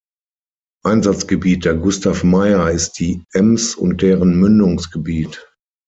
Einsatzgebiet der "Gustav Meyer" ist die Ems und deren Mündungsgebiet.